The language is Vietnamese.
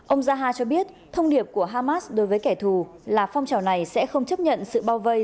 ông jaha cho biết thông điệp của hamas đối với kẻ thù là phong trào này sẽ không chấp nhận sự bao vây